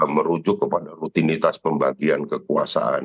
merujuk kepada rutinitas pembagian kekuasaan